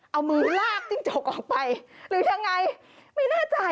เอามือลากจิ้งจกออกไปหรือยังไงไม่แน่ใจ